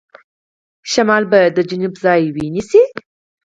شمال به د جنوب ځای ونیسي.